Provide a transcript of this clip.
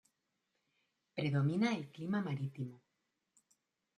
Predomina el clima marítimo.